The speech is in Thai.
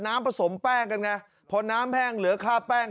น้ำผสมแป้งกันไงพอน้ำแห้งเหลือค่าแป้ง